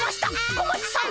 小町さん！